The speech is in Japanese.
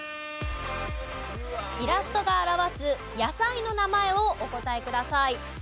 イラストが表す野菜の名前をお答えください。